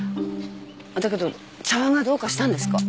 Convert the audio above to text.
だけど茶わんがどうかしたんですか？